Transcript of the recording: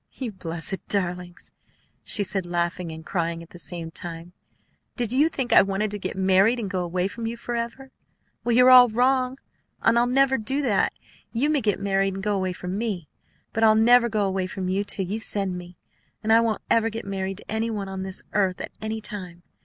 "You blessed darlings!" she said, laughing and crying at the same time. "Did you think I wanted to get married and go away from you forever? Well, you're all wrong. I'll never do that. You may get married and go away from me; but I'll never go away from you till you send me, and I won't ever get married to any one on this earth at any time!